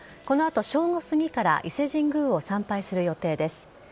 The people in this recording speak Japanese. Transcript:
このあと正午過ぎから、伊勢神宮を参拝する予定です。